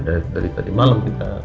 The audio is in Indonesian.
dari tadi malam kita